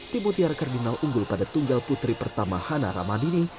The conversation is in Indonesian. tim mutiara kardinal unggul pada tunggal putri pertama hana ramadini